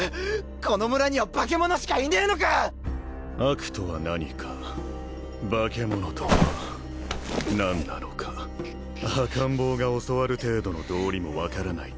この村には化け物しかいねえのか悪とは何か化け物とは何なのか赤ん坊が教わる程度の道理も分からない